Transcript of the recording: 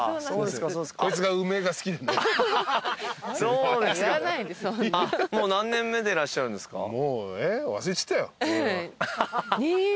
そうですか。